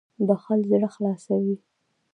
• بښل زړه خلاصوي.